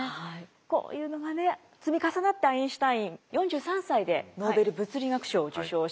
こういうのがね積み重なってアインシュタイン４３歳でノーベル物理学賞を受賞します。